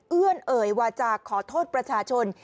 เอื้อนเอ่ยวาจาขอโทษประชาชน